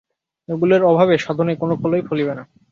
এগুলির অভাবে সাধনে কোন ফলই ফলিবে না।